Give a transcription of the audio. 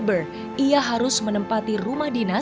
sebelum diberi ruang tamu rumah ini tidak pernah ditinggali